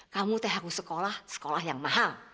kamu teh aku sekolah sekolah yang mahal